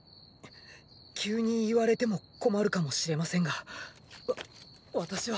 急に言われても困るかもしれませんがわ私は。